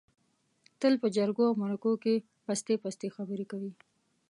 تل په جرگو او مرکو کې پستې پستې خبرې کوي.